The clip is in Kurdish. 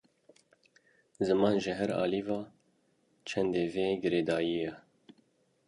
Ziman ji her alî ve bi çandê ve girêdayî ye.